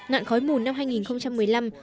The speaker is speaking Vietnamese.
nạn khói mù năm hai nghìn một mươi năm